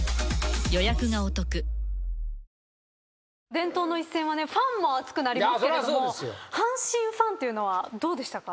伝統の一戦はねファンも熱くなりますけれども阪神ファンというのはどうでしたか？